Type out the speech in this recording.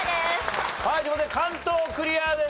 という事で関東クリアです。